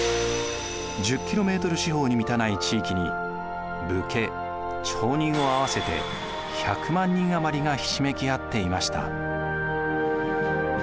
１０キロメートル四方に満たない地域に武家町人を合わせて１００万人余りがひしめき合っていました。